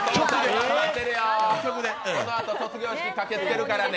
このあと卒業式駆けつけるからね。